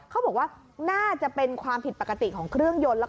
เขาบอกว่าน่าจะเป็นความผิดปกติของเครื่องยนต์